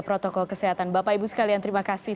protokol kesehatan bapak ibu sekalian terima kasih